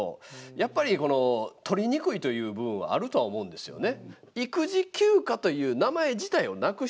やっぱり取りにくいという部分はあるとは思うんですよね。